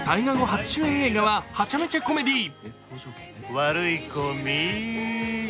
初主演映画ははちゃめちゃコメディー。